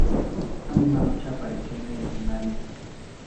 Esa misma noche apareció en el escenario.